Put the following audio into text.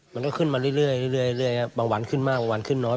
มันก็ขึ้นมาเรื่อยครับบางวันขึ้นมากบางวันขึ้นน้อย